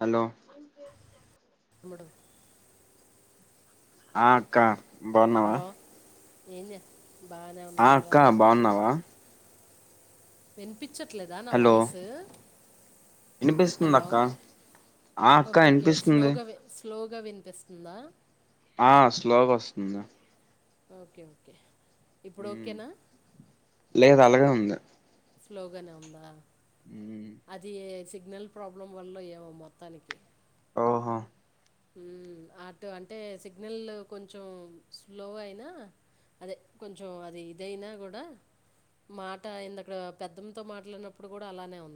Hello మడు ఆ అక్క బాగున్నావా హలో ఏం చేస్తున్నావ్ ఆ అక్క బాగున్నావా వినిపించట్లేదా నా హలో వాయిస్ వినిపిస్తుంది హలో అక్క ఆ అక్క వినిపిస్తుంది గా వినిపిస్తుందా ఆ స్లోగా వస్తుందిా ఓకే ఓకే ఇప్పుడు ఓకేనా లేదు అలాగే ఉంది స్లోగన్ ఉందా మ్ అది సిగ్నల్ ప్రాబ్లం వల్ల ఏమో మొత్తానికి ఓహో అటు అంటే సిగ్నల్ కొంచెం స్లో అయినా అదే కొంచం అది ఇదయినా కూడా మాట ఇందక్కడ పెద్దమ్తో మాట్లాడినప్పుడు కూడా అలానే ఉ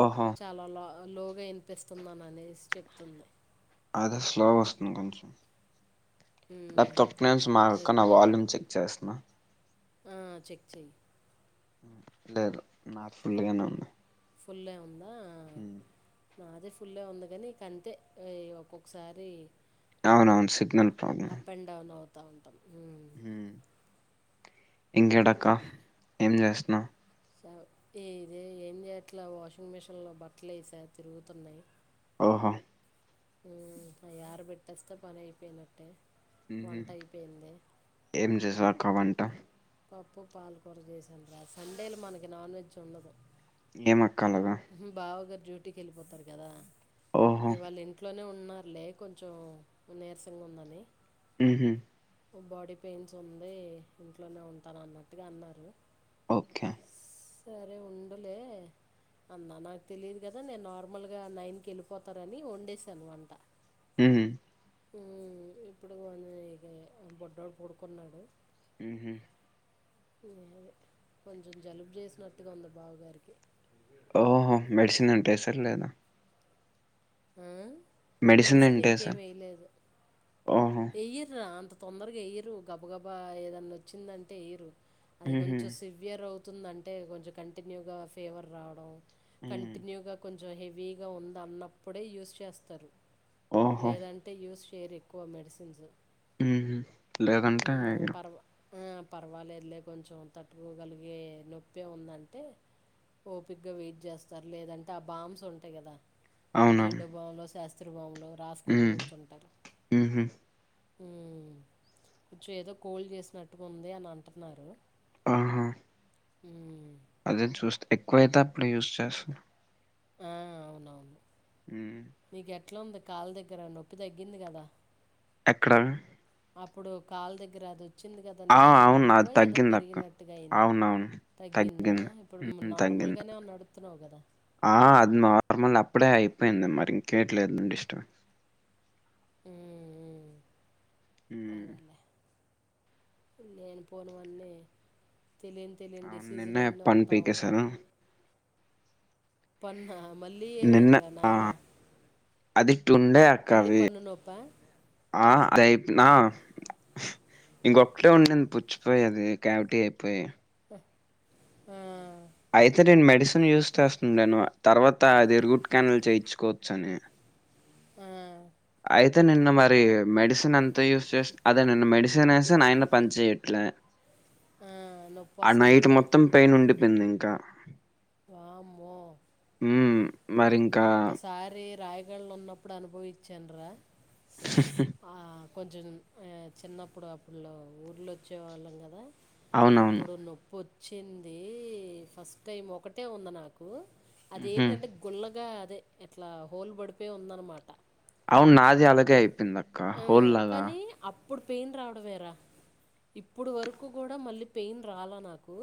ఓహో చాలా లోగా వినిపిస్తున్నాననే చె తుందంది అదే స్లోగా వస్తుంది కొంచెం నా మ్మ్. తొక్క నించి ఏ- మాకుక్క నా వాల్యూమ్ చెక్ చేసన్నా ఆ చెక్ చెయి లేదు నా ఫుల్గానే ఉన్నాయి ఫుల్ ఉందా హ నాదే ఫుల్ ఉంది కానీక అంతే ఒక్కొక్కసారి అవున అవును signal problem up and down అవుతా ఉంటాం మ్మ్. ఇంకేటక్క ఏం చేస్తున్నా స ఈ ఇద ఏం చేయట్లా వాషింగ్ మిషిన్ లో బట్టలు సార్ తిరుగుతున్నాయి్ ఓహో రు పెట్టేస్తే పని అయిపోయినట్టే వంట అయిపోయింది ఏం చేస్త కా వంట పప్పు పాాలకూర చేసాను రా సండేలో మనకి నాన్ వెజ్ ఉండదు ఏమక్కాల బావగారు డ్యూటీకి వెళ్ళిపోతారు కదా ఓహో ఇవాళ ఇంట్లోనే ఉంట ఉన్నారులే కొంచెం నీరసంగా ఉందని ఆ బాడీ పెయిన్స్ ఉంది ఇంట్లోనే ఉంటాను అన్నట్టుగా అన్నారు ఓకే సరే ఉండలే అన్న నాకు తెలియదు కదా నేను నార్మల్గా నైన్ కి వెళ్ళిపోతారని వండసాను వంట హు హ్మ్ ఉ ఇప్పుడు కొ బొడ్డడు పడుకున్నాడు హు హ్మ్ అది కొంచెం జలుబు చేసినట్టుగా ఉంది బాబగారికి ఓహో మెడిసిన్ అంటే సర లేదా ఆ మెడిసిన్ అంటే సార్. ఇంకేమి వేయలేదు ఓహో! వెయ్యర్రా అంత తొందరగా వయ్యరు గబ గబా ఏదన్నా వచ్చిందంటే వయ్యరు అది ఉహూ. కొంచెం సివియర్ అవుతు హ్మ్. కవ క హెవీగా ఉంది అన్నప్పుడే యూస్ చేస్తారు ఓహో! లేదంటే యూస్ షేర్ ఎక్కువ మెడిసిన్సు లేదంటే అరు పర్వ పర్వాలేదులే కొంచెం తట్టుకోగలిగే నొప్పే ఉందంటే ఓపిక గా వెయిట్ చేస్తారు లేదంటే ఆ బాంస్ ఉంటాయి కదా అ అవునా? జెండుో భావంలో శాస్త్రీభావంలో రాసుకొని హ్మ్. కూర్చుంటారు ఉహూ. కొంచెం ఏదో కోల్ చేసినట్టుగా ఉంది అని అంటున్నారు ఆహా ఉ అదే చూస్తా ఎక్కువైతే అప్పుడు యూస్్ చేస్తును ఆ అవునవును ఉం ఎట్లా ఉంది కాల్ దగ్గర నొప్పి తగ్గింది కదా ఎక్కడ అప్పుడు కాళ్ దగ్గర అది వచ్చింది కదా ఆ! నీకు అవును. ఎముక అది ఏదో తగ్గిందక్క. పెరిగినట్టుగా అయింది అవునవును. తగ్గిందా తగ్గింది. ఇప్పుడు హ్మ్. నార్మల్ తగ్గింది. గానే నడుతున్నావు కదా ఆ హ అది నార్మల్ అప్పుడే అయిపోయింది మరి ఇంకేట్లేదుడిష్టమ ఉమ్ ఉమ్ ఉమ్ నేనుపోన అన్నీ తెలియని తెలియని అవును. నిన్నే డిసీజులన్నీ పన్ను వత్తా ఉంటాయి పీకేశారు. పన్నా మళ్ళీ ఏమైందిరా నాయనా అదిట్టు ఉండే అక్క మళ్ళీ అవి పన్ను నొప్పా? అద అయి నా ఇంకొక్కటే ఉండింది పుచ్చిపోయి అది క్యావిటీ అయిపోయి ఆ అయితే నేను మెడిసిన్ యూస్ చేస్తుండను తర్వాత అది రూట్ క్యానల్ చేయించుకోవచ్చని ఆ అయితే నిన్న మరి మెడిసిన్ ఎంత యూస్ చేసి అదే నిన్న మెడిసిన్ వేసాన్ అయిన పని చేయట్ల ఆ, నొప్పి ఆ నైట్ వస్తుంది మొత్తం పెయిన్ ఉండిపోయింది ఇంకా వామ్మో ఉమ్ మరి ఇంకా ఒక్కసారి రాయగడలో ఉన్నప్పుడు అనుభవించాను రా కొంచెం ఆ చిన్నప్పుడు అప్పులో ఊర్లా వచ్చేవాళ్ళం కదా అవునవును అప్పుడు నొప్పి వచ్చింది ఫస్ట్ టైం ఒకటే ఉంది నాకు ఉహు అదేందంటే గుల్లగా అదే ఎట్లా హోల్ పడిపోయి ఉందనమాట అవును నాది అలాగే అయిపోయింది అక్క హోల్లాగా ఇప్పుడు పెయిన్ రావడం వేరా ఇప్పుడు వరకు కూడా మళ్ళీ పెయిన్ రాలా నాకు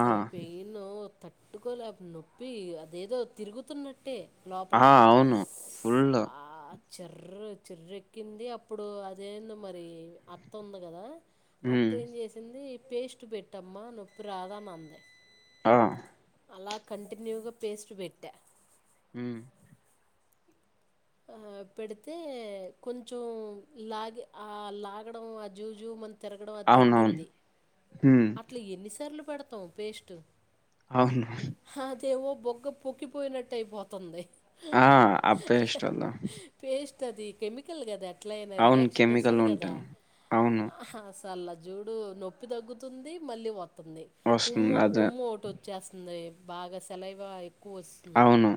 ఆ పెయిన్ తట్టుకోలే నొప్పి అదేదో తిరుగుతున్నట్టే లోపల. ఆ అవును ఫుల్లు చెర్రు చెర్రఎక్కింది అప్పుడు అదేందో మరి అత్త ఉంది కదా అత్త ఉమ్ ఏం చేసింది పేస్ట్ పెట్టమ్మా నొప్పి రాదాని అందే ఆ అలా కంటిన్యూగా పేస్ట్ పెట్టా ఉమ్ ఆ పెడితే కొంచెం లాగి ఆ లాగడం ఆ జూ జు మం తిరగడం అది అవునవును తగ్గింది హ్మ్. అట్లా ఎన్నిసార్లు పెడతాం పేస్ట్ అవును ఏవో బొగ్గ పొక్కిపోయినట్టు అయిపోతుంది ఆ అ పేస్ట్ వాళ్ళ తది కెమికల్ కదా ఎట్లా అయినా రియాక్షన్ కెమికల్ ఇస్తది కదా ఉంటాయి. అవును. హ అస్ తల్ల జూడు నొప్పి తగ్గుతుంది మళ్ళీ వ ంది వస్తుంది. ఉమ్ము అదే. ఉమ్ము ఒకటి వచ్చేస్తుంది బాగా సెలయివ క్కువ వస్తుందే అవును.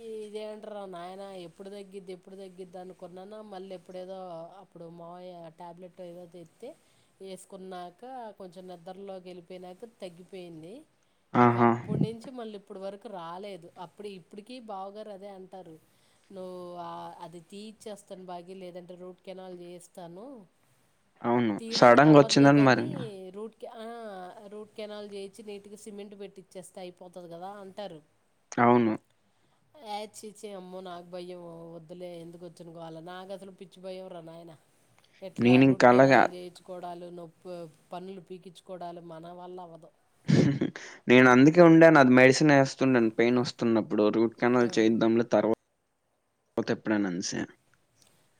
ఈ ఇదే ఏంట్రా నాయన ఎప్పుడు తగ్గిద్ది ఎప్పుడు తగ్గిద్ది అనుకున్నాను మళ్ళీ ఎప్పుడేదో అప్పుడు మౌయ టాబ్లెట్ ఏదో తెత్తే ఏసుకున్నాక కొంచెం నిద్రలోకి వెళ్ళిపోయినాక తగ్గిపోయింది ఇక ఆహా! అప్పటి నుంచి మళ్ళీ ఇప్పుడు వరకు రాలేదు అప్పుడు ఇప్పుడిక బావగారు అదే అంటారు నువ్వు ఆ అది తీ ఇచ్చేస్తాను బాగి లేదంటే రూట్ కెనాల్ చేయిస్తాను అవును తీయడానికి సడన్ అవ్వదులే వచ్చిందని మరి కానీ ఇంగా రూట్ ఆ రూట్ కెనాల్ చేయిచ్చి నీటికి సిమెంట్ పెట్టిచ్చేస్తే అయిపోతది కదా అంటారు అవును య అయ్ ఛీ ఛీ అమ్మో నాకు భయం వద్దులే ఎందుకు వచ్చినగోల నాకు అసలు పిచ్చి భయం ర నాయన ఎట్లా నేనింక రూట్ అలాగా కెనాల్ చేయించుకోవడాలు నొప్పు పండ్లు పీకించుకోవడాలు మన వల్ల అవ్వదు నేను అందుకే ఉండాను అది మెడిసిన్ వేస్తుండను పెయిన్ వస్తున్నప్పు ప్పుడు రూట్ ఆ. కెనాల్ చేయిద్దాం లే తర్వా తే ఎప్పుడ ఆన్సే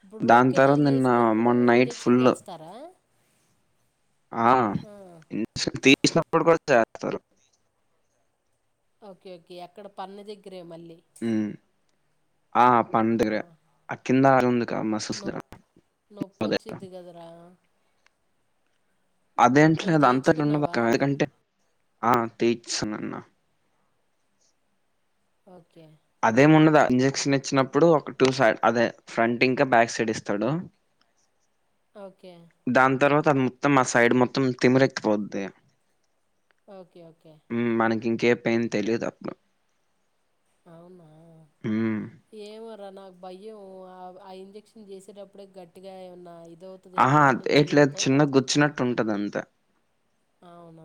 ఇప్పుడు రూట్ కెనాల్ చేసినప్పుడు మొన్న నైట్ ఇంజక్షన్ ఫుల్ చేస్తారా ఆ తీసినప్పుడు కూడా చేస్తారు ఓకే ఓకే అక్కడ పన్ను దగ్గరే మళ్ళీ హ్మ్. ఆ పండుకర అమ్మా ఆ కింద ఆరుందికా మసూస్ నొప్పి నొప్పి [unintelligible] వచ్చిద్ది కదరా ఎప్పుడైనా అదేంటలేదు అంతటి ఉన్న చేయించుకున్నావా ఎందుకంటే ఆ తీస్తునున్న ఓకే అదేం ఉండదు ఇంజెక్షన్ ఇచ్చినప్పుడు ఒక టూ సైడ్ అదే ఫ్రంట్ ఇంకా బ్యాక్ సైడ్ ఇస్తాడు ఓకే దాని తర్వాత అది మొత్తం ఆ సైడ్ మొత్తం తిమ్మిరెక్కిపోద్ది ఓకే ఓకే ఇంకే పెయిన్ తెలీదు ఇప్పుడు అవునా ఏమో రా నాకు భయం ఆ ఆ ఇంజెక్షన్ చేసేటప్పుడే గట్టిగా ఏమన్నా ఇది ఆహా ఎట్లే చిన్న గుచ్చినట్టు ఉంటది అంతే అవునా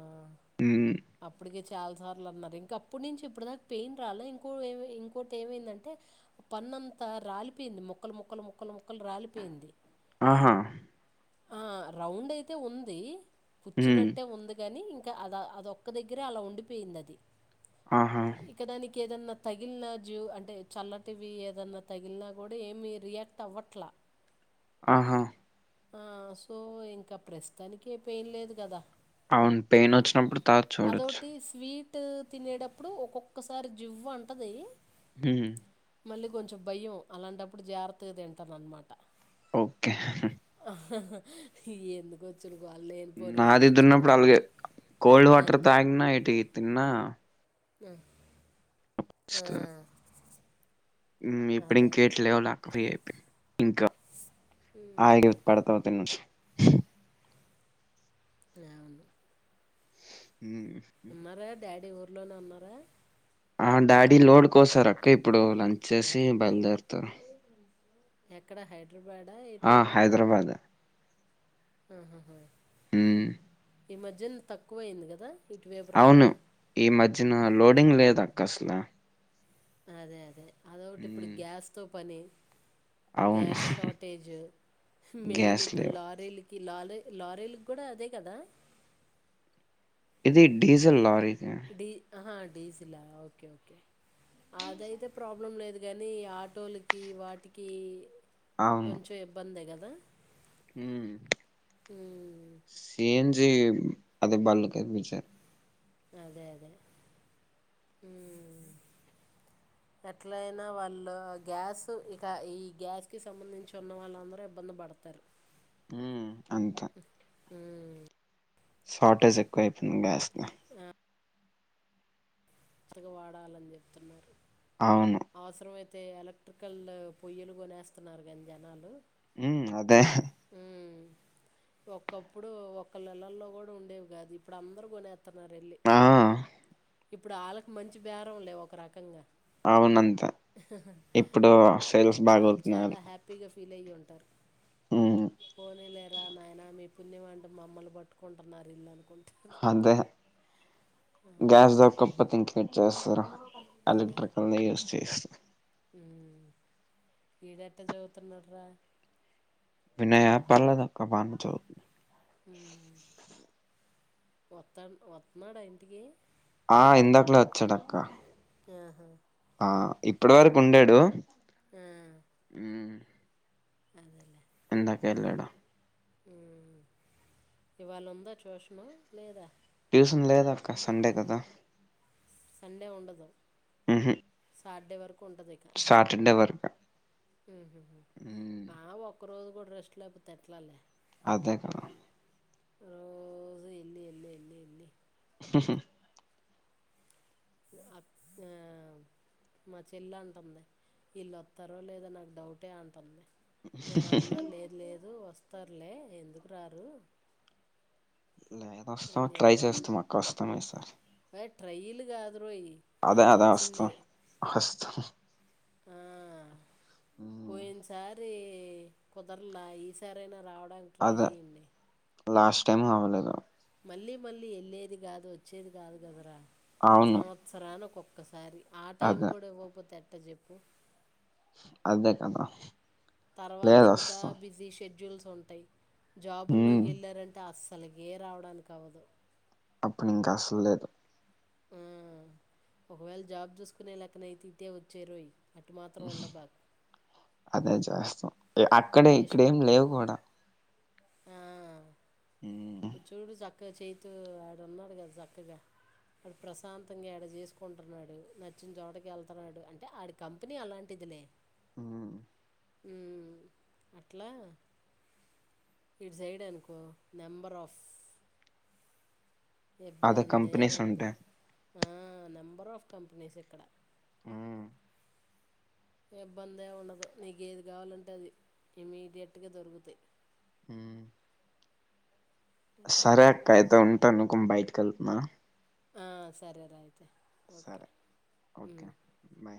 ఉమ్, అప్పుడికే చాలా సార్లు అన్నారు ఇంక అప్పుటి నుంచి ఇప్పుడు దాకా పెయిన్ రాల ఇం ఇంకోటి ఏమైందంటే పన్న పన్నంత రాలిపోయింది ముక్కలు ముక్కలు ముక్కలు ముక్కలు రాలిపోయింది ఆహా ఆ రౌండ్ అయితే ఉంది ఉమ్, పుచ్చినట్టే ఉంది కాని ఇం అ అది ఒక్క దగ్గరే అలా ఉండిపోయింది అది ఆహా ఇక దానికి ఏదన్నా తగిలిన జ్యూ అంటే చల్లటివి ఏదన్నా తగిలిన కూడా ఏమి రియాక్ట్ అవ్వట్లా ఆ ఆహా ఆ సో ఇంకా ప్రస్తుతానికి ఏం పెయిన్ లేదు కదా అవును పెయిన్ వచ్చినప్పుడు తర్వాత చూడొచ్చు అట్టు తినేటప్పుడు ఒక్కొక్కసారి జివ్వు అంటది ఉమ్ మళ్ళీ కొంచెం భయం అలాంటప్పుడు జాగ్రత్తగా తింటాను అనమాట ఓకే అహహా ఎందుకొచ్చు నాది దున్నప్పుడు అదే కోల్డ్ వాటర్ తాగినా ఏటికి తిన్నా ఉమ్ ఆ వస్తుంది ఇప్పుడు అదే ఇంకట్లేవులా అక్క ఫ్రీ అయిపోయి ఇంకా ఆగు పడతావు తను ఏముంది ఉమ్ ఉహూ ఇంట్లోనే ఉన్నారా ఆ డాడీ లోడ్ కోసారు అక్క ఇప్పుడు లంచ్ చేసి బయలుదేరతారు ఎక్కడ హై ఆ హైదరాబాద్ అహాహ ఉమ్ ఈ మధ్యన తక్కువ అయింది కదా ఇటువైపు రావడం అవును ఈ మధ్యన లోడింగ్ లేద అక్క అసలా అదే అదే అదొ ఒకటి ఇప్పుడు గ్యాస్ తో పని అవును గ్యాస్ షార్టేజ్ మెయిన్ గ్యాస్ ఇప్పుడు లేవు లారీలు లాలె లారెల్ కూడా అదే కదా ఇది డీజల్ లారీకి హా ీసల్ ఓకే ఓకే అద ఇద ప్రాబ్లం లేదు కానీ ఆటోలకి వాటికి కొంచెం ఇబ్బందే కదా హ్మ్మ్ మ్మ్. సీన్ అదే బల్క విచారు అదే అదే ఎట్ల అయినా వాళ్ళు గ్యాస్ ఇక ఈ గ్యాస్కి సంబంధించి ఉన్న వాళ్ళుందరూ ఇబ్బంది పడతారు ఉ అంతే హ్మ్మ్ షార్టజ్ ఎకువ అయిపోతుందిస్ ఆ త్తగ వాడాలని చెప్తున్నారు అవును అవసరంయితే అయితే ఎలక్ట్రికల్ పొయ్యలు కొనేస్తున్నారు కానీ జనాలు ఉ అదే ఉమ్, ఒకప్పుడు ఒక ఇళ్లల్లో కూడా ఉండేవి కాదు ఇప్పుడు అందరుూ కొనేస్తున్నారు వెళ్ళి ఆ ఇప్పుడు వాళ్ళకు మంచి బేరం లేవు ఒక రకంగా అవునుంత ఇప్పుడు సేల్స్ బాగ అవుతున్నాయి వాళ్ళకి ఉ [unintelligible] నాయన మీ పుణ్యం అంటే మమ్మల్ని పట్టుకుంటున్నారు ఇల్లు అనుకుంట అదే ఆ, గ్యాస్ దొకపోతే ఇంక ఇట్ చేస్తారు ఎలక్ట్రికల్ యూస్్ చేస్త ఈడట్ట చోవితున్నాడ్ర వినయ పర్లేదు అక్క బాగా చదువుతుండు వత్తా వత్తన్నాడా ఇంటికి ఆ ఇందాకులో వచ్చాడక్క ఆహా ఆ ఇప్పటి వరకు ఉండడాడు ఆ అదేలేే ఇందాకే వెళ్ళాడు ఇవాళ ఉందా ట్యూషన్ లేదా ్యూషన్ లేదకా సండే కద సండే ఉండదు సాటర్డే వరకు స్టార్టర్డే వరకు ఉహ ఉమ్ ఆ ఒక్క రోజు కూడా రెస్ట్ లేకపోతే ఎట్లాలే అదే కాద రోజ ఎన్ని ఎన్ని ఇన్ని ఇన్ని హహహ ఆ మా చెల్ల అంటుంది వీళ్ళు వస్తారో లేదా నాకు డౌటే అంటుంది నేన అన్నా లేదు లేదు వస్తారులే ఎందుకు రారు లేద అని వస్తాం ట్రై చెప్పి అన్నా చేస్తాం అ వస్తమే సార్ ఏ ట్రైలు కాదు రోయ్ అదే అదే అస్త రావాల్సిందే అస్ ఆ పోయిన సారి కుదరలా ఈసారయినా రావడం అడానికి ట్రై అదే చేయండి లాస్ట్ టైమ్ హవలేదు మళ్ళీ మళ్ళీ వెళ్ళేది కాదు వచ్చేది కాదు కదరా అవును సంవత్సరానికి ఒక్కొక్కసారి ఆ టైం అదే కూడా ఇవ్వకపోతే ఎట్ట చెప్పు అదే కదా తర్వాత లేదు ఇంకా అస్సలు బిజీ షెడూ డ్యూల్స్ ఉంటాయి ఉమ్ జాబుల్లోకి వెళ్ళారంటే అస్సలుగే రావడానికి అవ్వదు అప్పుడుంకా అసలు లేదు ఆ, ఒకవేళ జాబ్ చూసుకునే లెక్కనైతే ఇతేే వచ్చే రోయ అటు మాత్రం ఉండ బాక్ అదే చేస్తాం అక్కడే ఇక్కడ ఏం లేవు కూడా ఉమ్ చూడు చక్కగా చేతుూ ఆడ ఉన్నాడు కదా చక్కగా ఆడు ప్రశాంతంగా ఆడ చేసుకుంటున్నాడు నచ్చిన చోటకి వెళ్తున్నాడు అంటే ఆడి కంపెనీ అలాంటిదిలే ఉమ్ అట్లా ఇడు సైడ్ అనుకో నెంబ పర్ఫ్ అద కంపెనీస్ ఉంటే ఆ నెంబర్ ఆఫ్ కంపెనీస్ ఇక్కడ ఉమ్ ఇబ్బంది ఉండదు నీకేది కావాలంటే అది ఇమీడియట్గా దొరుకుతాయి ఉమ్ సరే అక్క అయితే ఉంటా నుకు బయటకి వెళ్తున్నా ఆ సరేయితే సరే ఓకే బా